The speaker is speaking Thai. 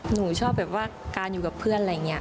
หนูชอบแบบว่าการอยู่กับเพื่อนอะไรอย่างนี้